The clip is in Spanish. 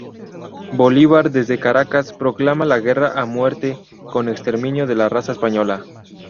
Bolívar, desde Caracas, proclama "la guerra a muerte con exterminio de la raza española".